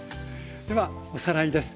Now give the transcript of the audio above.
ではおさらいです。